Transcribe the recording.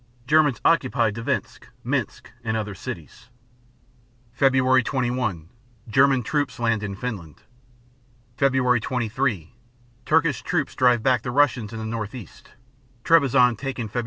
Germans occupy Dvinsk, Minsk, and other cities. Feb. 21 German troops land in Finland. Feb. 23 Turkish troops drive back the Russians in the northeast (Trebizond taken Feb.